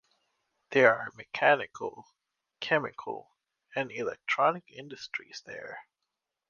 There are mechanical, chemical and electronic industries there.